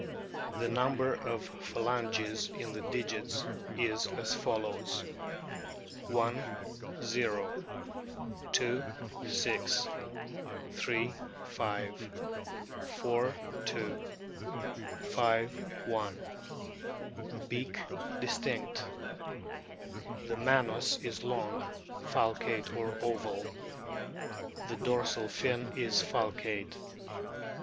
The number of phalanges in the digits is as follows: I, o. II, 6. Ill, 5. IV, 2. V, i. Beak distinct. The manus is long, falcate, or oval. The dorsal fin is falcate.